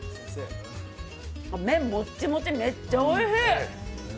麺もっちもち、めっちゃおいしい。